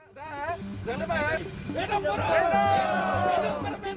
tidak jangan depan